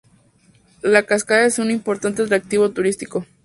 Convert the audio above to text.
La cascada es un importante atractivo turístico.